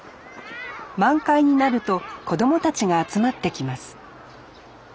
満開になると子どもたちが集まってきます